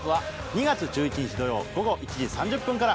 ２月１１日土曜午後１時３０分から！